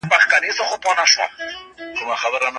هغوی هیڅکله دا پرېکړه نه ده غندلې.